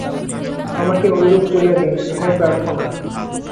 আমাকে ঐরূপ করিয়া দিন, ইহাই প্রার্থনা।